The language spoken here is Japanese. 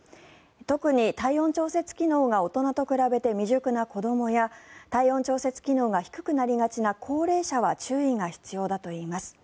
特に体温調節機能が大人と比べて未熟な子どもや体温調節機能が低くなりがちな高齢者は注意が必要だといいます。